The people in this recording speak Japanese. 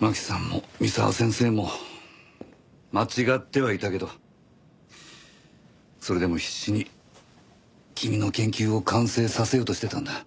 真希さんも三沢先生も間違ってはいたけどそれでも必死に君の研究を完成させようとしてたんだ。